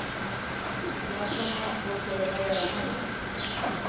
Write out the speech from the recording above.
Язваңа борсолорға ярамай.